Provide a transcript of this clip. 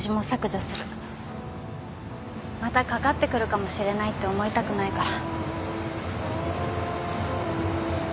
またかかってくるかもしれないって思いたくないから。